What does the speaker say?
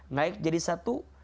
naik jadi satu